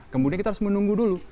kemudian kita harus menunggu dulu